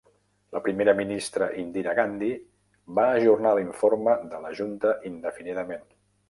La primera ministra Indira Gandhi va ajornar l'informe de la junta indefinidament.